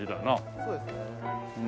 そうですね。